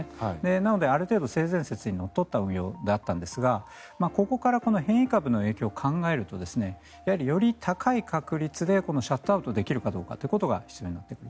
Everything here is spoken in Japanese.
なのである程度、性善説にのっとった運用だったんですがここから変異株の影響を考えるとやはり、より高い確率でシャットアウトできるかということが必要になってくる。